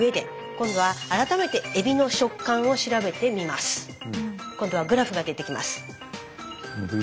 今度はグラフが出てきます。